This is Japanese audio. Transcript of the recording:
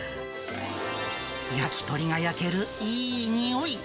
焼き鳥が焼けるいい匂い。